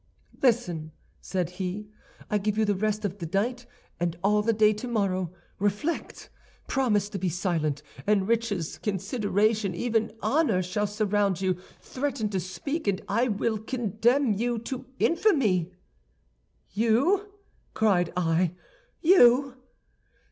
"'Listen!' said he. 'I give you the rest of tonight and all day tomorrow. Reflect: promise to be silent, and riches, consideration, even honor, shall surround you; threaten to speak, and I will condemn you to infamy.' "'You?' cried I. 'You?